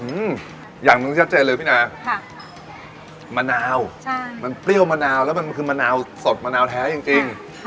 อืมอย่างหนึ่งชัดเจนเลยพี่นาค่ะมะนาวใช่มันเปรี้ยวมะนาวแล้วมันคือมะนาวสดมะนาวแท้จริงจริง